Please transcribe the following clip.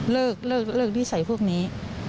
เลิกเลิกเลิกนิสัยพวกนี้